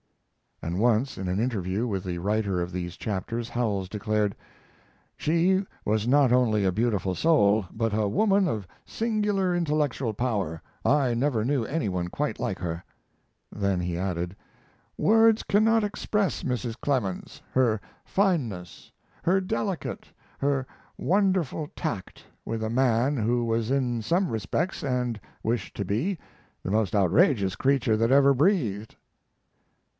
And once, in an interview with the writer of these chapters, Howells declared: "She was not only a beautiful soul, but a woman of singular intellectual power. I never knew any one quite like her." Then he added: "Words cannot express Mrs. Clemens her fineness, her delicate, her wonderful tact with a man who was in some respects, and wished to be, the most outrageous creature that ever breathed."